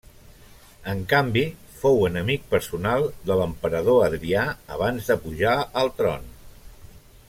En canvi fou enemic personal de l'emperador Adrià abans de pujar al tron.